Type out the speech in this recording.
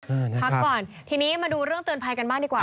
พักก่อนทีนี้มาดูเรื่องเตือนภัยกันบ้างดีกว่า